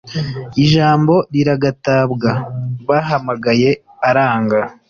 Ijambo riragatabwaBahamagaye aranga